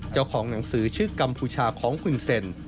เจ้าของหนังสือชื่อกัมพูชาของคุณเซ็น